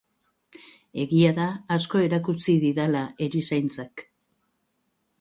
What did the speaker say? Egia da asko erakutsi didala erizaintzak.